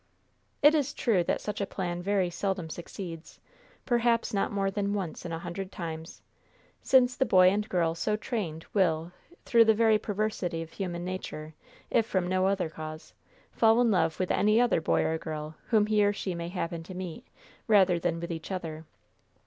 It is true that such a plan very seldom succeeds, perhaps not more than once in a hundred times, since the boy and girl so trained will, through the very perversity of human nature, if from no other cause, fall in love with any other boy or girl whom he or she may happen to meet, rather than with each other.